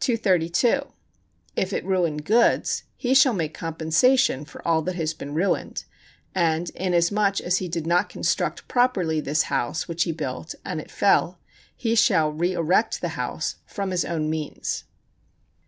232. If it ruin goods, he shall make compensation for all that has been ruined, and inasmuch as he did not construct properly this house which he built and it fell, he shall reërect the house from his own means.